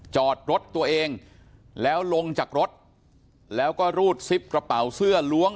จอดรถตัวเองแล้วลงจากรถแล้วก็รูดซิปกระเป๋าเสื้อล้วง